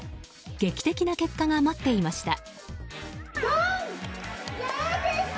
劇的な結果が待っていました。